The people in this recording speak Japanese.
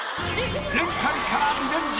前回からリベンジ！